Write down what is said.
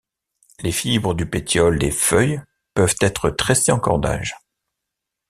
Les fibres du pétiole des feuilles peuvent être tressées en cordage.